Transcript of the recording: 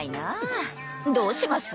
どうします？